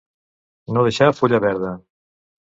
No deixar fulla verda.